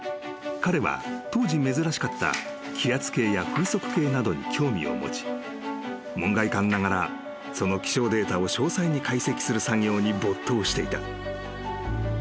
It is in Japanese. ［彼は当時珍しかった気圧計や風速計などに興味を持ち門外漢ながらその気象データを詳細に解析する作業に没頭していた］